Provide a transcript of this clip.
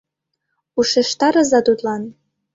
Ушештарыза тудлан